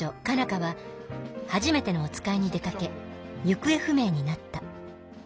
花ははじめてのおつかいに出かけ行方不明になった。